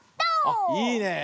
あっいいねえ。